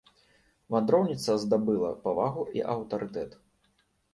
Вандроўніца здабыла павагу і аўтарытэт.